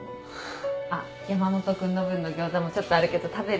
あっ山本君の分のギョーザもちょっとあるけど食べる？